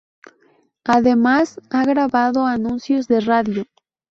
Además, ha grabado anuncios de radio.